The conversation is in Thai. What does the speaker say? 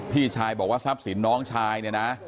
พี่ชายบอกว่าทรัพย์สินน้องชายเนี่ยนะ